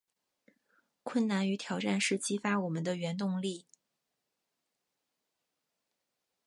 困难与挑战是激发我们的原动力